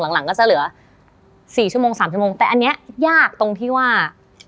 หลังหลังก็จะเหลือสี่ชั่วโมงสามชั่วโมงแต่อันนี้ยากตรงที่ว่า